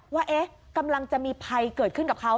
ว่ากำลังจะมีภัยเกิดขึ้นกับเขา